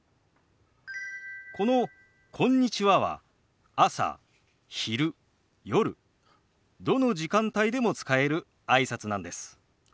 この「こんにちは」は朝昼夜どの時間帯でも使えるあいさつなんです。